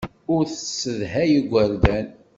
Ur tessedhay igerdan.